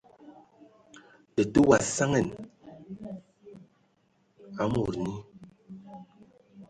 Tətə wa saŋan aaa mod nyi.